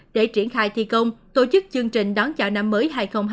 để triển khai thi công tổ chức chương trình đón chào năm mới hai nghìn hai mươi